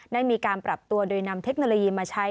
ได้มีการปรับตัวโดยนำเทคโนโลยีมาใช้